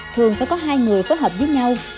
thường phải có hai người phối hợp với nhau